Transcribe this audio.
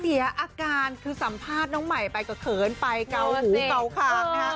เสียอาการคือสัมภาษณ์น้องใหม่ไปก็เขินไปเกาหูเกาคางนะฮะ